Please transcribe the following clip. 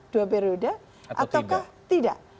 dua periode atau tidak